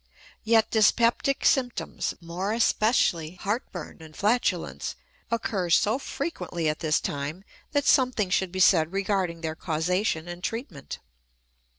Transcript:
Yet dyspeptic symptoms, more especially heartburn and flatulence, occur so frequently at this time that something should be said regarding their causation and treatment.